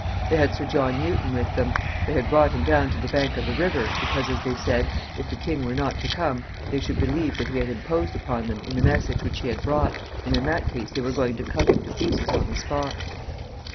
They had Sir John Newton with them. They had brought him down to the bank of the river, because, as they said, if the king were not to come, they should believe that he had imposed upon them in the message which he had brought, and in that case they were going to cut him to pieces on the spot.